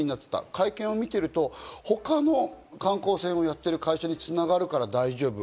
会見を見ていると、他の観光船をやっている会社に繋がるから大丈夫。